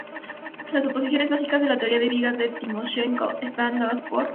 Las suposiciones básicas de la teoría de vigas de Timoshenko están dadas por.